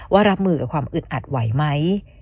ว่ารับมึงกับความอึดอัดเห็นไหม